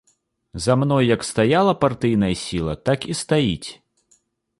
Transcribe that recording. За мной як стаяла партыйная сіла, так і стаіць.